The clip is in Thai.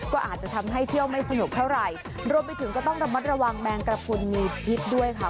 ก็อาจจะทำให้เที่ยวไม่สนุกเท่าไหร่รวมไปถึงก็ต้องระมัดระวังแมงกระพุนมีพิษด้วยค่ะ